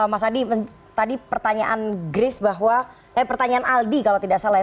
mas adi tadi pertanyaan grace bahwa eh pertanyaan aldi kalau tidak salah ya